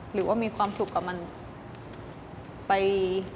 หรือว่ามีความสุขกับมันไป